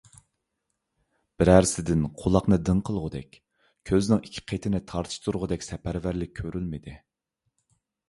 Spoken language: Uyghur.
بىرەسىدىن قۇلاقنى دىڭ قىلغۇدەك، كۆزنىڭ ئىككى قېتىنى تارتىشتۇرغىدەك سەپەرۋەرلىك كۆرۈلمىدى.